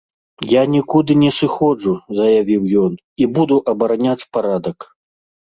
Я нікуды не сыходжу, заявіў ён, і буду абараняць парадак.